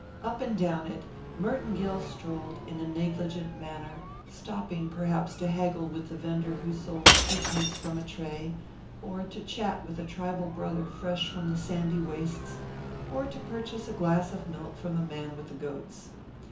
Up and down it Merton Gill strolled in a negligent manner, stopping perhaps to haggle with the vendor who sold sweetmeats from a tray, or to chat with a tribal brother fresh from the sandy wastes, or to purchase a glass of milk from the man with the goats.